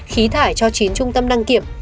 khí thải cho chín trung tâm đăng kiểm